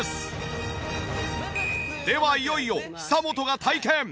ではいよいよ久本が体験。